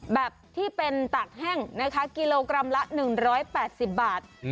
แบบที่เป็นตากแห้งนะคะกิโลกรัมละ๑๘๐บาท